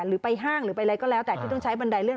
หรือไปห้างหรือไปอะไรก็แล้วแต่ที่ต้องใช้บันไดเลื่อน